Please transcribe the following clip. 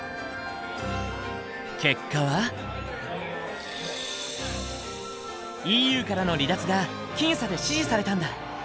結果はＥＵからの離脱が僅差で支持されたんだ！